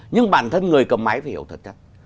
nhưng bản thân người cầm máy phải hiểu thật chất